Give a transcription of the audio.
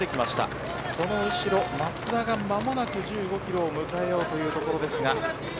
松田が間もなく１５キロを迎えようというところです。